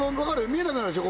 見えなくなるでしょ